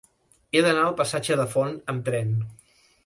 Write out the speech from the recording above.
He d'anar al passatge de Font amb tren.